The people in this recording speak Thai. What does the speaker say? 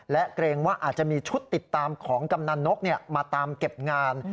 และเกรงว่าอาจจะมีชุดติดตามของกำนันนกมาตามเก็บงาน